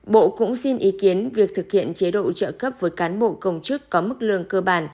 bộ cũng xin ý kiến việc thực hiện chế độ trợ cấp với cán bộ công chức có mức lương cơ bản